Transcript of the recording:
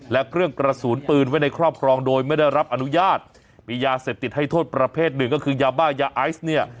และเครื่องกระสุนปืนไว้ในครอบครองโดยไม่ได้รับอนุญาตมียาเสพติดให้โทษประเภทหนึ่งก็คือยาบ้ายาไอซ์เนี่ย